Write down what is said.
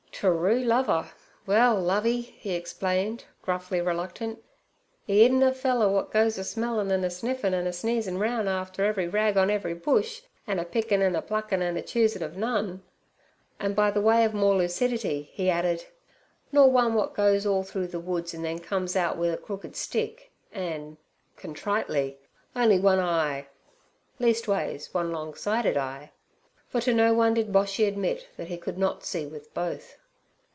'Terue lover? Well, Lovey' he explained, gruffly reluctant, "e iden a feller wot goes a smellin' an' a sniffin' an' a sneezin' roun' after every rag orn every bush, an' a pickin' an' a pluckin' an' a choosin' ov none.' And by way of more lucidity, he added: 'Nor one wot goes all through the woods, an' then comes out wi' a crooked stick an" (contritely) 'on'y one eye—leastways, one long sighted eye.' For to no one did Boshy admit that he could not see with both.